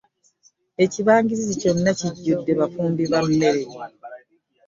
Ekibangirizi kyonna kijjudde bafumbi ba mmere.